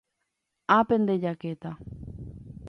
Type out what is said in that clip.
ápente jakéta